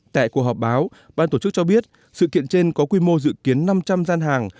tại cuộc họp báo ban tổ chức cho biết sự kiện trên có quy mô dự kiến năm trăm linh gian hàng